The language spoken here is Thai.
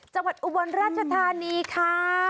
จังหวัดอุบรรณราชธานีค่ะ